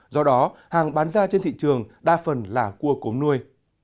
do đó hàng bán ra trên thị trường đa phần là cua cốm nuôi